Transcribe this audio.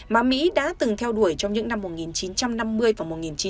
mà mỹ đã từng theo đuổi trong những năm một nghìn chín trăm năm mươi và một nghìn chín trăm bảy mươi